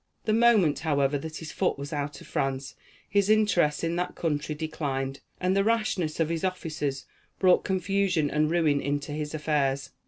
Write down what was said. The moment, however, that his foot was out of France, his interests in that country declined; and the rashness of his officers brought confusion and ruin into his affairs.